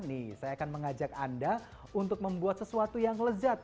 nih saya akan mengajak anda untuk membuat sesuatu yang lezat